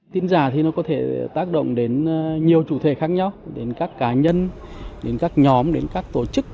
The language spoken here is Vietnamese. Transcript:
tin giả thì nó có thể tác động đến nhiều chủ thể khác nhau đến các cá nhân đến các nhóm đến các tổ chức